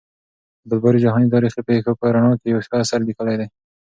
عبدالباري جهاني د تاريخي پېښو په رڼا کې يو ښه اثر ليکلی دی.